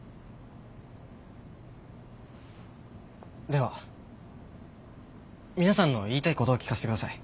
では皆さんの言いたいことを聞かせてください。